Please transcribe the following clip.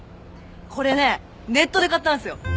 これねネットで買ったんすよ。